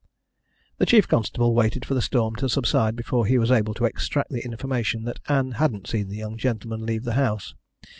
The chief constable waited for the storm to subside before he was able to extract the information that Ann hadn't seen the young gentleman leave the house.